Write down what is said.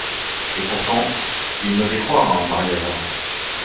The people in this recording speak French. Et pourtant, il n’osait croire à un pareil hasard!